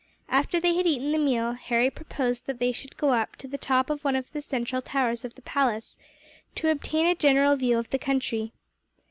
After they had eaten the meal, Harry proposed that they should go up to the top of one of the central towers of the palace, to obtain a general view of the country.